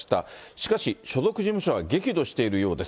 しかし、所属事務所は激怒しているようです。